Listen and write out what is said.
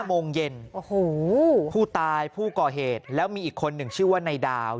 โมงเย็นโอ้โหผู้ตายผู้ก่อเหตุแล้วมีอีกคนหนึ่งชื่อว่านายดาว